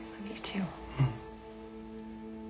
うん。